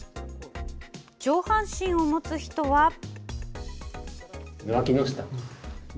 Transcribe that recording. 上半身を持つ人は。